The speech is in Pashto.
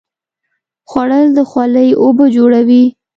خوړل د خولې اوبه جوړوي